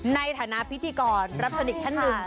ในฐานะพิธีกรรับสนิทท่านหนึ่ง